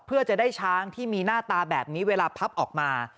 เพื่อจะได้ช้างที่มีหน้าตาแบบนี้เวลาพับออกมา